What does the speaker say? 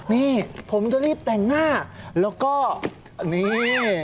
นี่ผมจะรีบแต่งหน้าแล้วก็นี่